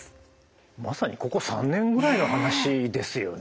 まさにここ３年ぐらいの話ですよね。